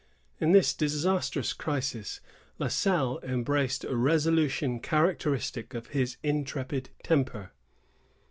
In this disastrous crisis, La Salle embraced a resolution characteristic of his intrepid temper.